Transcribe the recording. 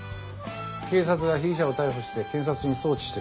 警察が被疑者を逮捕して検察に送致してくる。